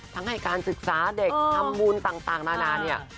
ให้การศึกษาเด็กทำบุญต่างนานาเนี่ย